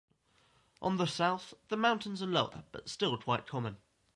On the South, the mountains are lower, but still quite common.